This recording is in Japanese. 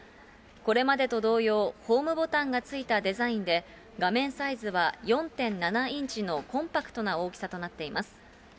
これまでと同様、ホームボタンが付いたデザインで、画面サイズは４．７インチのコンパクトな大きさとなっています。